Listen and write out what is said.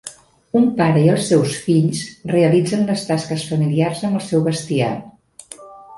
Un pare i els seus fills realitzen les tasques familiars amb el seu bestiar.